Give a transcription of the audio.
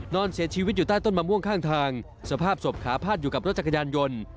นอนเสียชีวิตอยู่ใต้ต้นมะม่วงข้างทางสภาพศพขาพาดอยู่กับรถจักรยานยนต์